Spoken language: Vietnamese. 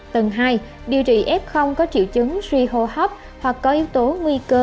tầng hai điều trị f có triệu chứng suy hô hấp hoặc có yếu tố nguy cơ